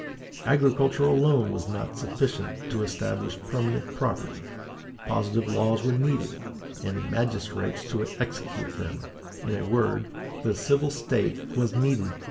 "Agriculture alone was not sufficient to establish permanent property; positive laws were needed, and magistrates to execute them; in a word, the civil State was needed.